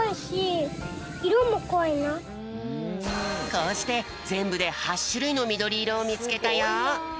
こうしてぜんぶで８しゅるいのみどりいろをみつけたよ。